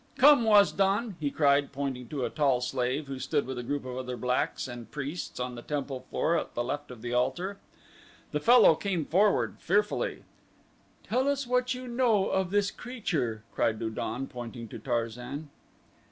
Come, Waz don," he cried, pointing to a tall slave who stood with a group of other blacks and priests on the temple floor at the left of the altar. The fellow came forward fearfully. "Tell us what you know of this creature," cried Lu don, pointing to Tarzan.